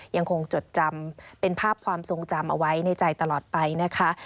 จดจำเป็นภาพความทรงจำเอาไว้ในใจตลอดไปนะคะ